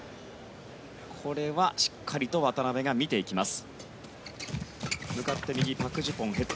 これはしっかりと渡辺が見ていきます。